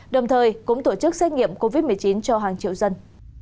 đồng thời cũng tổ chức xét nghiệm covid một mươi chín cho hàng triệu dân